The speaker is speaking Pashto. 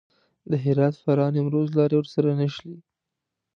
د هرات، فراه، نیمروز لارې ورسره نښلي.